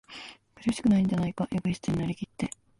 苦しくないんじゃないか？エゴイストになりきって、